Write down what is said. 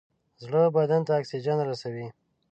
زړه بدن ته اکسیجن رسوي.